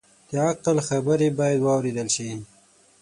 د عقل خبرې باید واورېدل شي